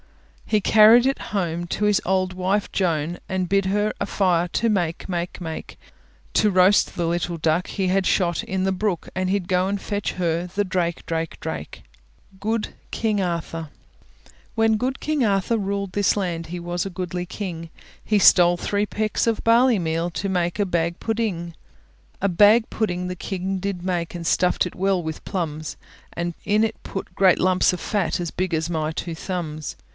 He carried it home To his old wife Joan, And bid her a fire for to make, make, make; To roast the little duck He had shot in the brook, And he'd go and fetch her the drake, drake, drake. GOOD KING ARTHUR When good king Arthur ruled this land, He was a goodly king; He stole three pecks of barley meal, To make a bag pudding. A bag pudding the king did make, And stuffed it well with plums; And in it put great lumps of fat, As big as my two thumbs.